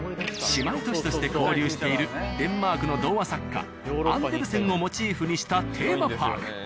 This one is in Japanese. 姉妹都市として交流しているデンマークの童話作家アンデルセンをモチーフにしたテーマパーク。